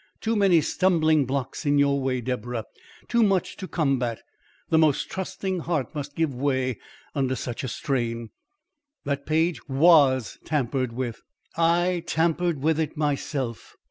"Too many stumbling blocks in your way, Deborah, too much to combat. The most trusting heart must give way under such a strain. That page WAS tampered with. I tampered with it myself.